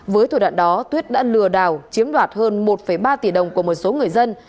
với thủ đoạn đó tuyết đã lừa đảo chiếm đoạt hơn một ba tỷ đồng của một số người dân